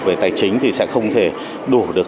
về tài chính thì sẽ không thể đủ được